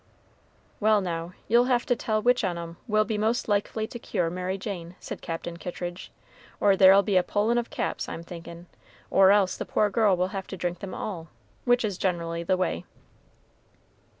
"Well, now, you'll have to tell which on 'em will be most likely to cure Mary Jane," said Captain Kittridge, "or there'll be a pullin' of caps, I'm thinkin'; or else the poor girl will have to drink them all, which is generally the way."